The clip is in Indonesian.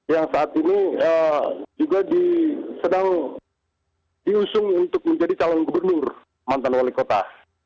yang saat ini juga sedang diusung untuk menjadi calon gubernur mantan wali kota